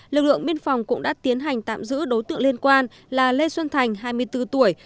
lực lượng biên phòng cũng đã tiến hành tạm giữ đối tượng liên quan là lê xuân thành hai mươi bốn tuổi